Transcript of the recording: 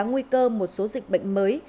nguy cơ một số dịch bệnh mới